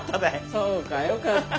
そうかよかった。